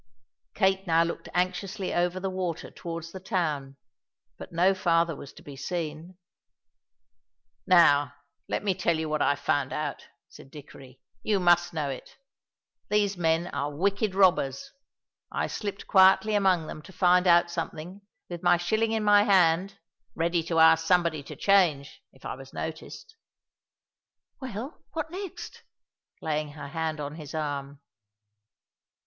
Kate now looked anxiously over the water towards the town, but no father was to be seen. "Now let me tell you what I found out," said Dickory, "you must know it. These men are wicked robbers. I slipped quietly among them to find out something, with my shilling in my hand, ready to ask somebody to change, if I was noticed." "Well, what next?" laying her hand on his arm.